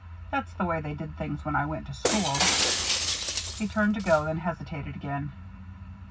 That's the way they did things when I went to school." He turned to go, then hesitated again.